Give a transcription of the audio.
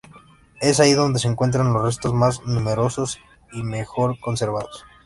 Es ahí donde se encuentran los restos más numerosos y mejor conservados.